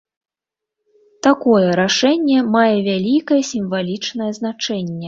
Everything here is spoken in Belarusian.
Такое рашэнне мае вялікае сімвалічнае значэнне.